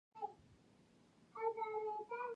د چای ګل د څه لپاره وکاروم؟